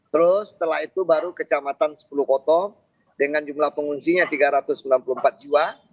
terus setelah itu baru kecamatan sepuluh kota dengan jumlah pengungsinya tiga ratus sembilan puluh empat jiwa